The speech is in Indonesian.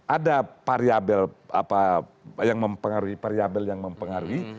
ada variabel yang mempengaruhi variabel yang mempengaruhi